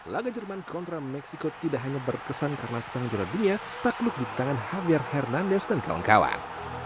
laga jerman kontra meksiko tidak hanya berkesan karena sang juradinya takluk di tangan javier hernandez dan kawan kawan